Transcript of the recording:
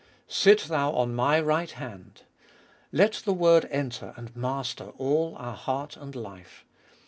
Sit thou on My right hand: let the word enter and master all our heart and life.